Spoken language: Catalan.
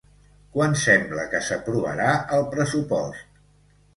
Quan sembla que s'aprovarà el pressupost?